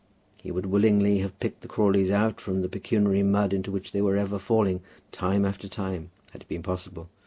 He would willingly have picked the Crawleys out from the pecuniary mud into which they were ever falling, time after time, had it been possible.